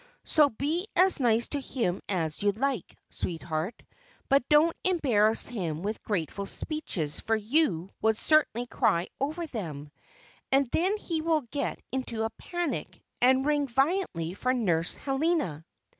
So be as nice to him as you like, sweetheart, but don't embarrass him with grateful speeches, for you would certainly cry over them and then he will get into a panic, and ring violently for Nurse Helena."